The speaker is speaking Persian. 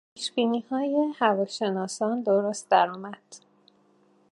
پیشبینیهای هواشناسان درست درآمد.